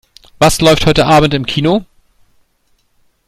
Was läuft heute Abend im Kino?